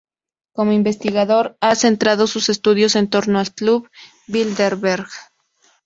Como investigador ha centrado sus estudios en torno al Club Bilderberg.